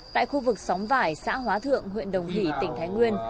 tại khu vực xóm vải xã hóa thượng huyện đồng hỷ tỉnh thái nguyên